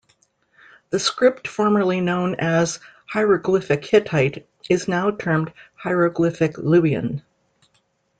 The script formerly known as "Hieroglyphic Hittite" is now termed Hieroglyphic Luwian.